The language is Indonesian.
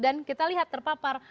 dan kita lihat terpapar